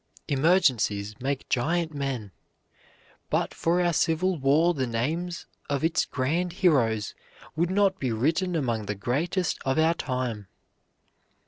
Emergencies make giant men. But for our Civil War the names of its grand heroes would not be written among the greatest of our time.